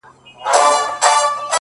• گوره په ما باندي ده څومره خپه؛